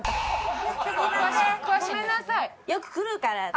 よく来るから。